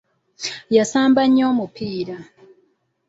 Yaasamba nnyo omupiira.